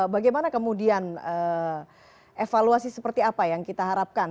bagaimana kemudian evaluasi seperti apa yang kita harapkan